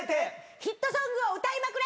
ヒットソングを歌いまくれ！